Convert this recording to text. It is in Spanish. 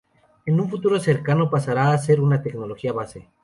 En un futuro cercano pasará a ser una tecnología base.